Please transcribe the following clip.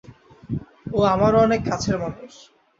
ও আমারও অনেক কাছের মানুষ।